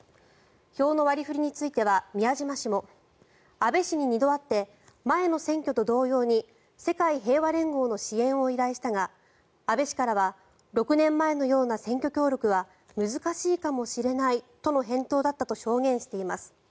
票の割り振りについては宮島氏も安倍氏に２度会って前の選挙と同様に世界平和連合の支援を依頼したが安倍氏からは６年前のような選挙協力は難しいかもしれないとの返答だったと証言しています。